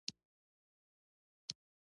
د پاچا ملاتړ راسره ملګری وو.